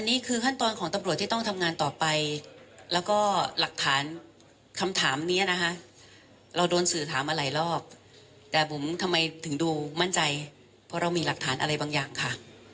นี่คือขั้นตอนของตำรวจที่ต้องทำงานต่อไปแล้วก็หลักฐานคำถามนี้นะคะเราโดนสื่อถามมาหลายรอบแต่บุ๋มทำไมถึงดูมั่นใจเพราะเรามีหลักฐานอะไรบางอย่างค่ะ